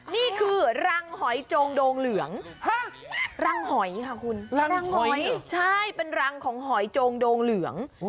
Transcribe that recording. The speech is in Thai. นี่คือรังหอยโจงโดงเหลืองรังหอยค่ะคุณรังหอยใช่เป็นรังของหอยโจงโดงเหลือง